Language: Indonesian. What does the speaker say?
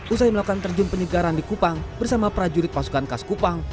usai melakukan terjun penyegaran di kupang bersama prajurit pasukan kas kupang